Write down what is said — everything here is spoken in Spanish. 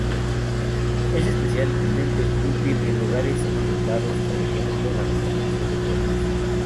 Es especialmente útil en lugares inundados: por ejemplo para la construcción de puertos.